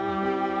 aku masuk dulu ya